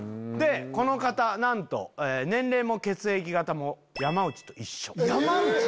この方なんと年齢も血液型も山内と一緒。